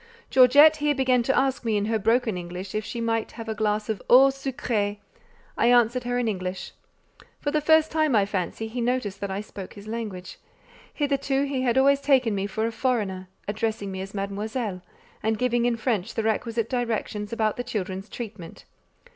Georgette here began to ask me in her broken English if she might have a glass of eau sucrée. I answered her in English. For the first time, I fancy, he noticed that I spoke his language; hitherto he had always taken me for a foreigner, addressing me as "Mademoiselle," and giving in French the requisite directions about the children's treatment.